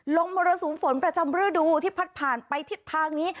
มรสุมฝนประจำฤดูที่พัดผ่านไปทิศทางนี้